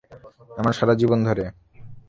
আমার সারা জীবন ধরে।